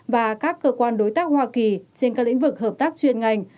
và các cơ quan đối tác hoa kỳ trên các lĩnh vực hợp tác chuyên ngành